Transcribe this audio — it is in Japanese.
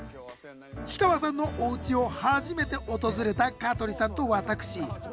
氷川さんのおうちを初めて訪れた香取さんと私。